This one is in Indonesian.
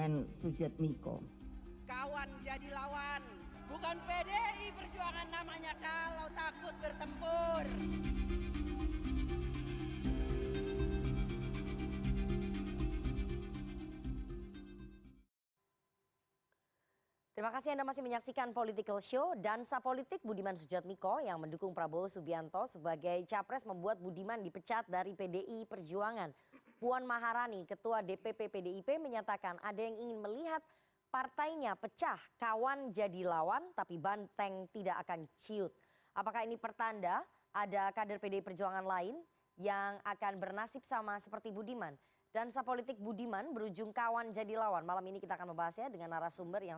ngobrol ada rock and roll nanti kalau udah ganti ganti pasangan yang itu ganti sono yang